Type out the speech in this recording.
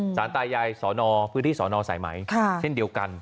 สารตายายสอนอพื้นที่สอนอสายไหมเช่นเดียวกัน